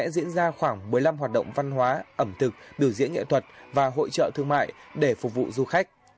diễn ra khoảng một mươi năm hoạt động văn hóa ẩm thực biểu diễn nghệ thuật và hội trợ thương mại để phục vụ du khách